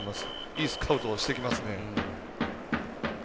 いいスカウト、してきますね。